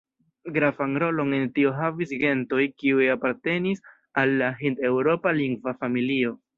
Gravan rolon en tio havis gentoj, kiuj apartenis al la hind-eŭropa lingva familio.